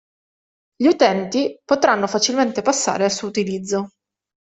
Gli utenti potranno facilmente passare al suo utilizzo.